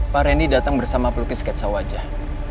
pak reni datang bersama pelukis keksa wajah